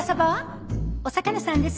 お魚さんです。